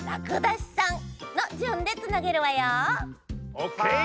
オッケー。